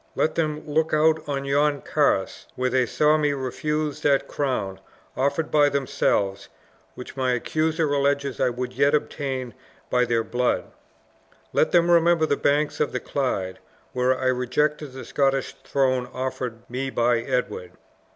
Let them look out on yon carse, where they saw me refuse that crown, offered by themselves, which my accuser alleges I would yet obtain by their blood. Let them remember the banks of the Clyde, where I rejected the Scottish throne offered me by Edward!